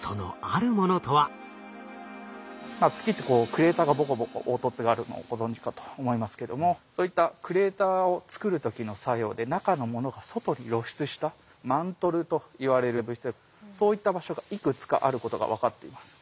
月ってクレーターがボコボコ凹凸があるのをご存じかと思いますけどもそういったクレーターを作る時の作用で中のものが外に露出したマントルといわれる物質でそういった場所がいくつかあることが分かっています。